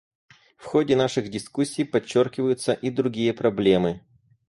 В ходе наших дискуссий подчеркиваются и другие проблемы.